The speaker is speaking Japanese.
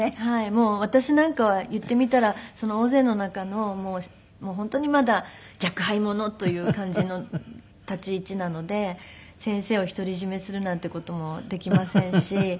もう私なんかは言ってみたら大勢の中の本当にまだ若輩者という感じの立ち位置なので先生を独り占めするなんて事もできませんし。